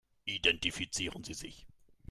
Identifizieren Sie sich.